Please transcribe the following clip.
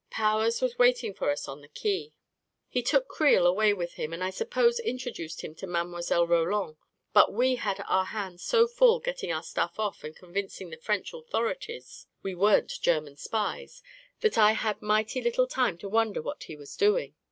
Powers was waiting for us on the quay. He took .Creel away with him, and I suppose introduced him A .KING IN BABYLON 53 to Mile. Roland; but we had our hands so full get ting our stuff off and convincing the French authori ties we weren't German spies, that I had mighty little time to wonder what he was doing.